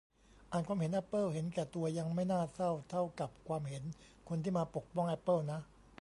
อ่านความเห็นแอปเปิลเห็นแก่ตัว ยังไม่น่าเศร้าเท่ากับความเห็นคนที่มาปกป้องแอปเปิลนะ